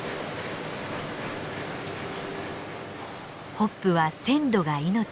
ホップは鮮度が命。